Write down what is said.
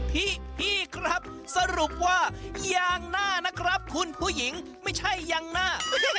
พี่พี่ครับสรุปว่ายางหน้านะครับคุณผู้หญิงไม่ใช่ยางหน้า